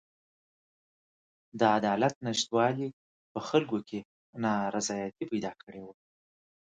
د عدالت نشتوالي په خلکو کې نارضایتي پیدا کړې وه.